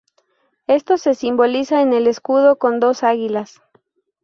Esto se simboliza en el escudo con dos águilas.